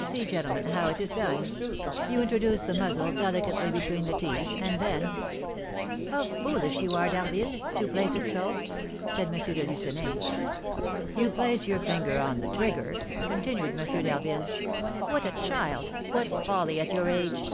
"See, gentlemen, how it is done. You introduce the muzzle delicately between the teeth, and then " "How foolish you are, D'Harville, to place it so!" said M. de Lucenay. "You place your finger on the trigger " continued M. d'Harville. "What a child! What folly at your age!"